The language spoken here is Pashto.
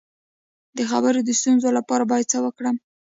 د خبرو د ستونزې لپاره باید څه وکړم؟